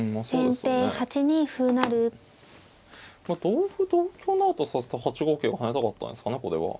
同歩同香成と指すと８五桂を跳ねたかったんですかねこれは。